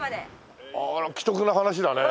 あら奇特な話だね。